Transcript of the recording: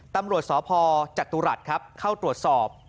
ตำรวจสพจตุรัสครับเข้าตรวจสอบ